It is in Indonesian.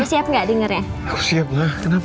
aku siap lah kenapa kenapa